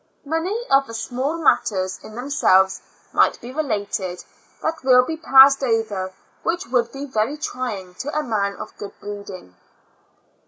Many other small matters in them selves might be related that will be passed over, wljich would be very trying to a man of good breeding.